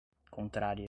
contrária